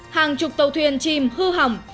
hàng chục tàu thuyền chim hư hỏng